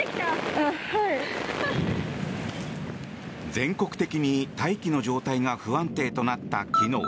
全国的に大気の状態が不安定となった昨日。